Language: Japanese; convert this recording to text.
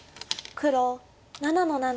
黒７の七。